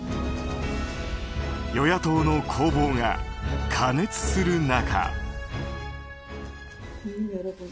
与野党の攻防が過熱する中。